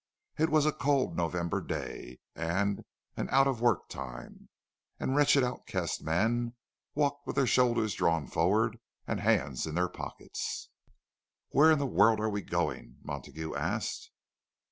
It was a cold November day, and an "out of work" time, and wretched outcast men walked with shoulders drawn forward and hands in their pockets. "Where in the world are we going?" Montague asked.